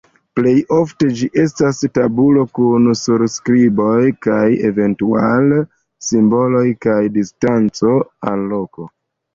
Plej ofte ĝi estas tabulo kun surskriboj kaj eventuale simboloj kaj distanco al loko.